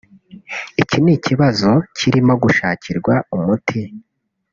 Iki ni ikibazo kirimo gushakirwa umuti